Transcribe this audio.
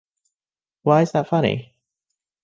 Why is that funny?